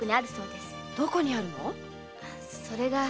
どこにあるの？